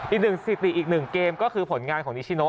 อีก๑สิทธิอีก๑เกมก็คือผลงานของนิชโน่